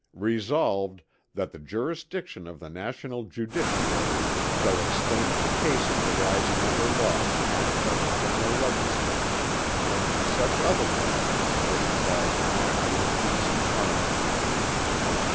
Resolved, That the jurisdiction of the national judiciary shall extend to cases arising under laws passed by the general legislature, and to such other questions as involve the national peace and harmony."